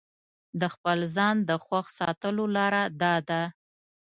د خپل ځان د خوښ ساتلو لاره داده.